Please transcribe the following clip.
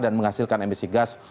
dan menghasilkan emisi gas